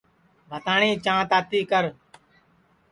بھتاٹؔی چھانٚھ تاتی کر